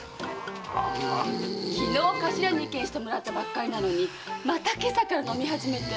昨日頭に意見してもらったばっかりなのにまた今朝から飲み始めて。